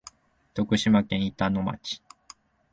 徳島県板野町